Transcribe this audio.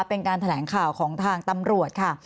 เป็นการแถลงข่าวของทางตำรวจค่ะ